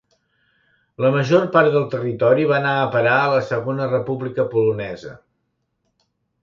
La major part del territori va anar a parar a la Segona República Polonesa.